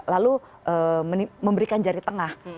lalu memberikan jari tengah